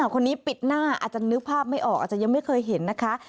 คนนี้ปิดหน้าอาจจะนึกภาพไม่ออกอาจจะยังไม่เคยเห็นนะคะ